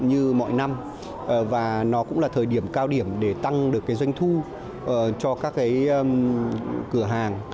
như mọi năm và nó cũng là thời điểm cao điểm để tăng được cái doanh thu cho các cái cửa hàng